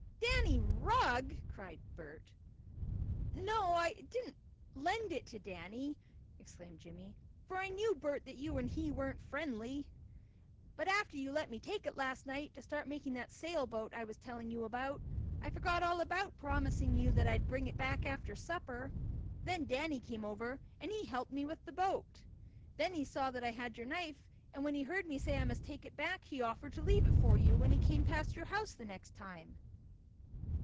"Danny Rugg!" cried Bert. "No, I didn't exactly lend it to Danny," explained Jimmie, "for I knew, Bert, that you and he weren't very friendly. But after you let me take it last night, to start making that sailboat I was telling you about, I forgot all about promising you that I'd bring it back after supper. Then Danny came over, and he helped me with the boat. When he saw I had your knife, and when he heard me say I must take it back, he offered to leave it for you when he came past your house the next time."